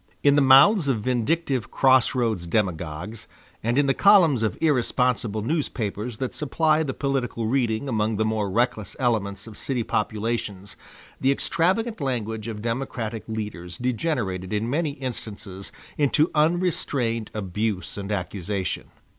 In the mouths of vindictive cross roads demagogues, and in the columns of irresponsible newspapers that supply the political reading among the more reckless elements of city populations, the extravagant language of Democratic leaders degenerated in many instances into unrestrained abuse and accusation.